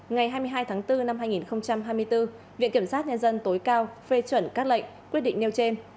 ngày hai mươi hai tháng bốn năm hai nghìn hai mươi bốn viện kiểm sát nhân dân tối cao phê chuẩn các lệnh quyết định nêu trên